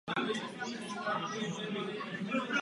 Má syna Heřmana.